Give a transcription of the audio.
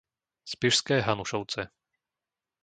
Spišské Hanušovce